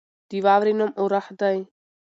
د واورې نوم اورښت دی.